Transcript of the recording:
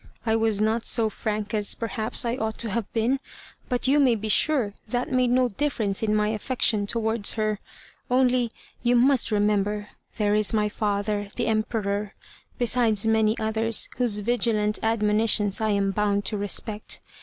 "I was not so frank as, perhaps, I ought to have been; but you may be sure that made no difference in my affection towards her. Only, you must remember, there is my father, the Emperor, besides many others, whose vigilant admonitions I am bound to respect.